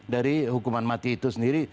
dari hukuman mati itu sendiri